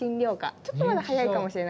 ちょっとまだ早いかもしれないですけど。